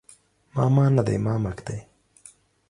ماما نه دی مامک دی